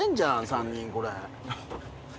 ３人これ。